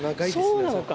そうなのか。